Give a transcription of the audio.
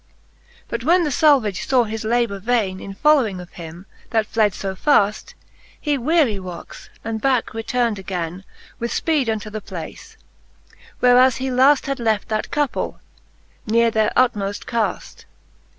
But when the Salvage faw his labour vaine, In following of him, that fled fo faft, He wearie woxe, and backe return'd againe With fpeede unto the place, whereas he laft Had left that couple, nere their utmoft caft.